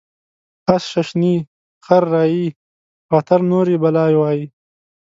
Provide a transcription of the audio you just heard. اس ششني ، خر رایي غاتر نوري بلا وایي.